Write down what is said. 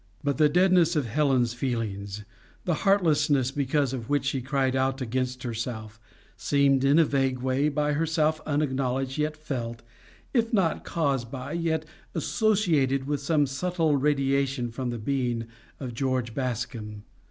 But the deadness of Helen's feelings, the heartlessness because of which she cried out against herself, seemed, in a vague way, by herself unacknowledged yet felt, if not caused by, yet associated with some subtle radiation from the being of George Bascombe.